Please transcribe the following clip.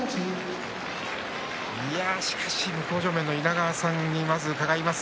向正面の稲川さんに伺います。